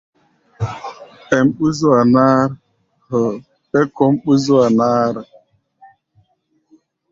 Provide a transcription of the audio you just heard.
Pɛʼm ɓú-zua-náár ou pɛ kɔ́ʼm ɓú-zúa-náár.